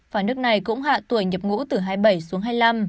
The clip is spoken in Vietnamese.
và nước này cũng hạ tuổi nhập ngũ từ hai mươi bảy xuống hai mươi năm